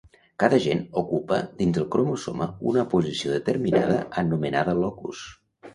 Cada gen ocupa dins el cromosoma una posició determinada anomenada locus.